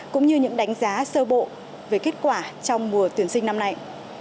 cũng như những đánh giá sơ bộ về kết quả trong mùa tuyển sinh năm nay